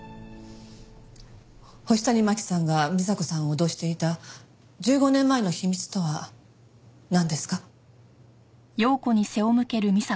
星谷真輝さんが美紗子さんを脅していた１５年前の秘密とはなんですか？